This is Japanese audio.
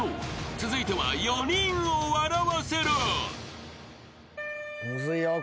［続いては４人を笑わせろ］